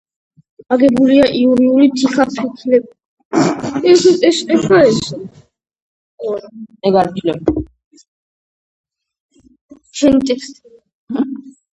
აგებულია იურული თიხაფიქლებითა და კირქვებით.